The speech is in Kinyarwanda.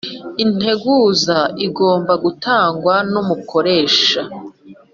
integuza igomba gutangwa n’ umukoresha